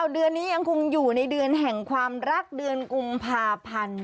เดือนนี้ยังคงอยู่ในเดือนแห่งความรักเดือนกุมภาพันธ์